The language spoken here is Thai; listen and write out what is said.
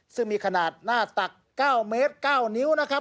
ซึ่งมีขนาดหน้าตัก๙เมตร๙นิ้วนะครับ